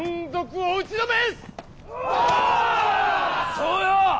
そうよ。